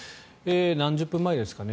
何十分前ですかね